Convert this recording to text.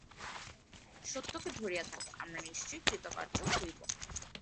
সত্যকে ধরিয়া থাক, আমরা নিশ্চয়ই কৃতকার্য হইব।